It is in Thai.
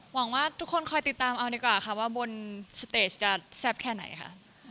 หวังว่าทุกคนคอยติดตามเอาดีกว่าค่ะว่าบนสเตจจะแซ่บแค่ไหนค่ะ